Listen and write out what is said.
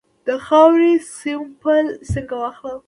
د خاورې سمپل څنګه واخلم؟